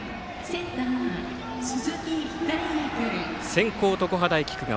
先攻、常葉大菊川。